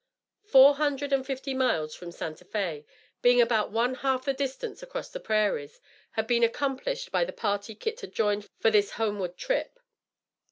Four hundred and fifty miles from Santa Fé, being about one half the distance across the prairies, had been accomplished by the party Kit had joined for this homeward trip.